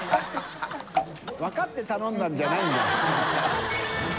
分かって頼んだんじゃないんだ？